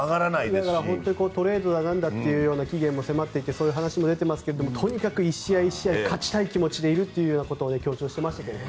だからトレードだなんだって期限も迫っていてそういう話も出ていますがとにかく１試合１試合勝ちたい気持ちでいるということを強調していましたけどね。